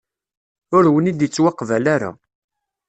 Ur wen-d-ittwaqbal ara.